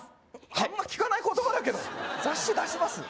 あんま聞かない言葉だけど「雑誌出します」？